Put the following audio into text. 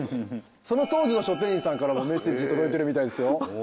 その当時の書店員さんからもメッセージ届いてるみたいですよ。